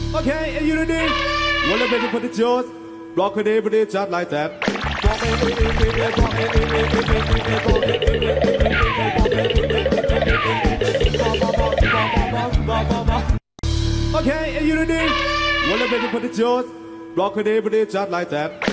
โปรดติดตามตอนต่อไป